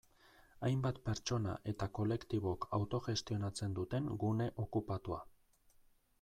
Hainbat pertsona eta kolektibok autogestionatzen duten gune okupatua.